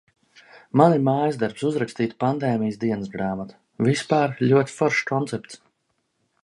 Man ir mājasdarbs uzrakstīt pandēmijas dienasgrāmatu. Vispār ļoti foršs koncepts.